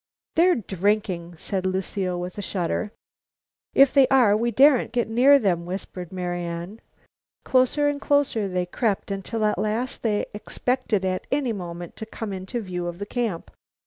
"They're drinking," said Lucile with a shudder. "If they are, we daren't get near them," whispered Marian. Closer and closer they crept until at last they expected at any moment to come into view of the camp.